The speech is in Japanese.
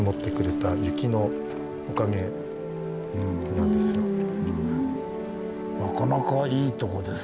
なかなかいいとこですね。